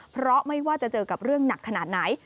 เพราะไม่ว่าจะเจอกับเรื่องหนักขนาดไหน